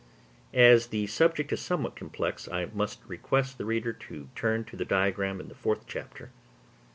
As the subject is somewhat complex, I must request the reader to turn to the diagram in the fourth chapter.